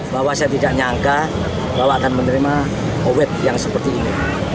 bahwa saya tidak nyangka bahwa akan menerima awet yang seperti ini